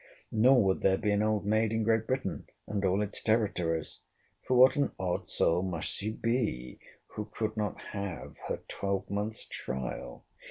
Nor would there be an old maid in Great Britain, and all its territories. For what an odd soul must she be who could not have her twelvemonth's trial?